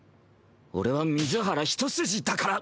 俺は水原ひと筋だから！